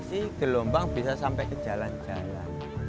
pasir bisa abrasi gelombang bisa sampai ke jalan jalan